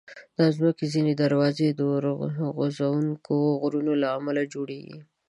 د مځکې ځینې دروازې د اورغورځونکو غرونو له امله جوړېږي.